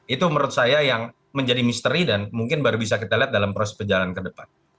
itu menurut saya yang menjadi misteri dan mungkin baru bisa kita lihat dalam proses perjalanan ke depan